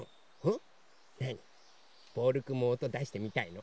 ボールくんもおとだしてみたいの？